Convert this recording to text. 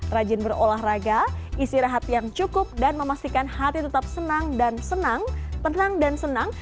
rajin berolahraga istirahat yang cukup dan memastikan hati tetap senang dan senang